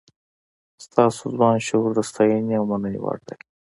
ستاسو ځوان شعور د ستاینې او مننې وړ دی.